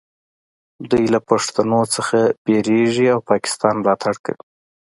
دوی له پښتنو څخه ویریږي او پاکستان ملاتړ کوي